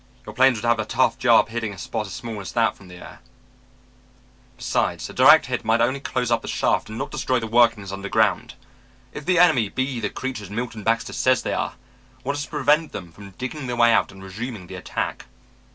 "Your planes would have a tough job hitting a spot as small as that from the air. Besides, a direct hit might only close up the shaft and not destroy the workings underground. If the enemy be the creatures Milton Baxter says they are, what is to prevent them from digging their way out and resuming the attack?"